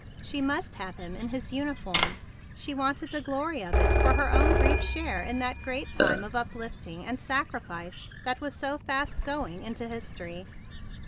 She must have him in his uniform. She wanted the glory of it for her own brief share in that great time of uplifting and sacrifice that was so fast going into history.